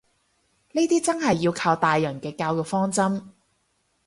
呢啲真係要靠大人嘅教育方針